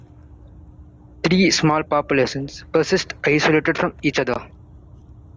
Three small populations persist isolated from each other.